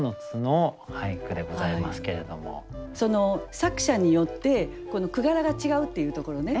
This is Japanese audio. その作者によって句柄が違うっていうところね